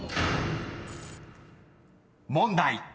［問題］